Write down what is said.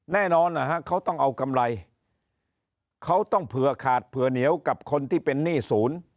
แน่นอนนะฮะเขาต้องเอากำไรเขาต้องเผื่อขาดเผื่อเหนียวกับคนที่เป็นหนี้ศูนย์